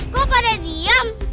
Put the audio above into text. kok pada diem